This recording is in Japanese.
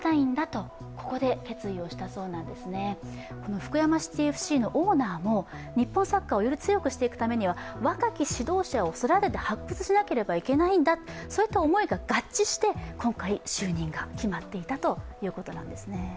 福山シティＦＣのオーナーも日本サッカーをより強くするためには若き指導者を育てて発掘しなければいけないんだ、そういった思いが合致して、今回就任が決まっていたということなんですね。